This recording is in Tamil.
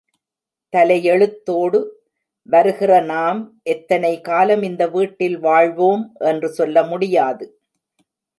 தலையெழுத்தோடு வருகிற நாம் எத்தனை காலம் இந்த வீட்டில் வாழ்வோம் என்று சொல்ல முடியாது.